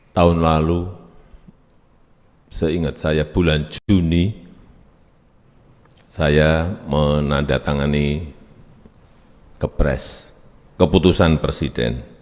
tahun lalu seingat saya bulan juni saya menandatangani kepres keputusan presiden